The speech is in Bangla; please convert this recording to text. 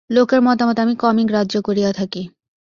লোকের মতামত আমি কমই গ্রাহ্য করিয়া থাকি।